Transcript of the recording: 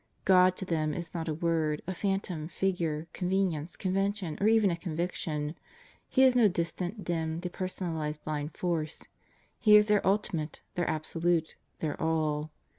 God to them is not a word, a phantom, figure, convenience, convention, or even a conviction; He is no distant, dim, depersonalized blind force. He is their Ultimate, their Absolute, their All.